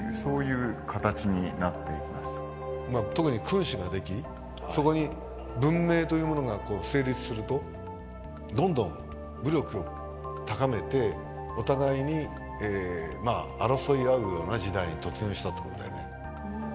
特に君主ができそこに文明というものが成立するとどんどん武力を高めてお互いに争い合うような時代に突入したと思うんだよね。